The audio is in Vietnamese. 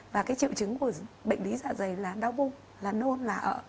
và cái triệu chứng của bệnh lý dạ dày là đau bụng là nôn là ở